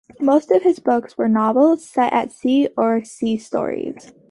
Most of his books were novels set at sea, or sea stories.